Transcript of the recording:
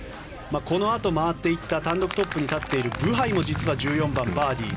このあと回っていった単独トップに立っているブハイも実は１４番、バーディー。